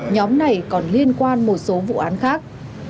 nhóm này còn liên quan một số vụ án khác